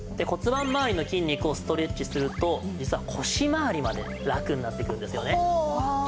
骨盤まわりの筋肉をストレッチすると実は腰まわりまでラクになってくるんですよね。